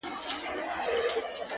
ګډه شوه هوا د ګل خوشبو سره